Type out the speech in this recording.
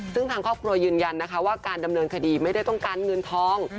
ซึ่งทางครอบครัวยืนยันนะคะว่าการดำเนินคดีไม่ได้ต้องการเงินทอง